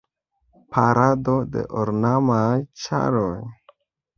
Parado de ornamaj ĉaroj.